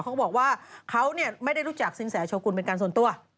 เขาบอกว่าเขาไม่ได้รู้จักสินแสโชกุลเป็นการส่วนตัว